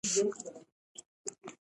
نه ورختی شم نه ئې باد را غورځوېنه